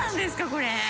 これ。